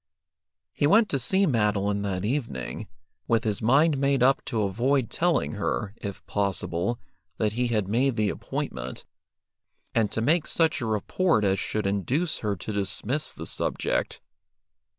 He went to see Madeline that evening, with his mind made up to avoid telling her, if possible, that he had made the appointment, and to make such a report as should induce her to dismiss the subject.